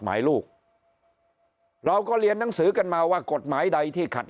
หมายลูกเราก็เรียนหนังสือกันมาว่ากฎหมายใดที่ขัด